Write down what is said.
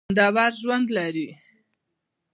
اوس خوندور ژوند لري.